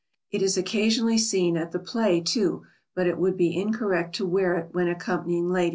It is occasionally seen at the play, too, but it would be incorrect to wear it when accompanying ladies.